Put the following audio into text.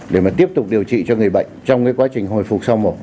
để tiếp tục điều trị cho người bệnh trong quá trình hồi phục sau mổ